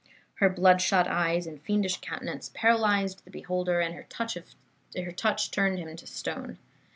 Her bloodshot eyes and fiendish countenance paralyzed the beholder, and her touch turned him to stone.